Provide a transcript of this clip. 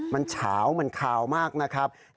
มันเฉามันคาวมากนะครับ